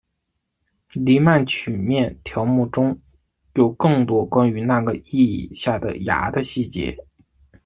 黎曼曲面条目中有更多关于那个意义下的芽的细节。